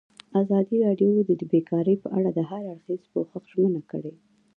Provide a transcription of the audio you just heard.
ازادي راډیو د بیکاري په اړه د هر اړخیز پوښښ ژمنه کړې.